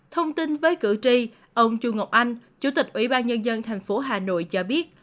thông tin với cử tri ông chu ngọc anh chủ tịch ủy ban nhân dân thành phố hà nội cho biết